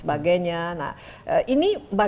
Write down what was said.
terima kasih ternyata